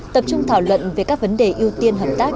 tập trung thảo luận về các vấn đề ưu tiên hợp tác